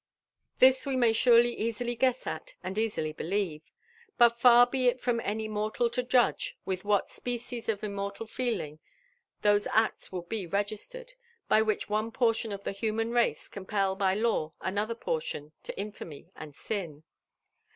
This we may surely easily guess at and easUy believe ; but far be it from any mortal to judge with what species of immortal feeling tho«0 acts will be registered, by which one portion of the human race compel by law another portion to Infamy and sin.